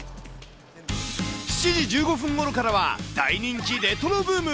７時１５分ごろからは、大人気レトロブーム。